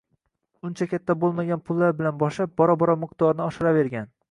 Uncha katta bo‘lmagan pullar bilan boshlab, bora-bora miqdorni oshiravergan